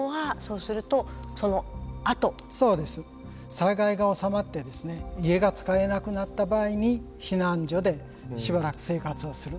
災害が収まって家が使えなくなった場合に避難所でしばらく生活をする。